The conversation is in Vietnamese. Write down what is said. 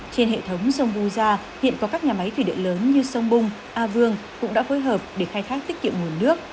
trên hệ thống sông vu gia hiện có các nhà máy thủy điện lớn như sông bung a vương cũng đã phối hợp để khai thác tích kiệm nguồn nước